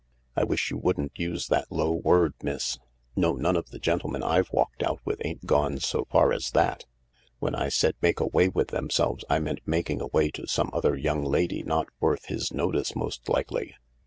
" I wish you wouldn't use that low word, miss. No, none of the gentlemen I've walked out with ain't gone so far as that. When I said make away with themselves, I meant making away to some other young lady not worth his notice most likely.